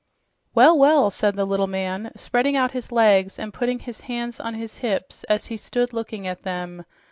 "Well, well!" said the little man, spreading out his legs and putting his hands on his hips as he stood looking at them.